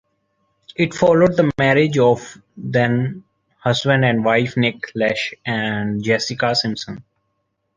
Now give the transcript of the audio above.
It followed the marriage of then husband and wife Nick Lachey and Jessica Simpson.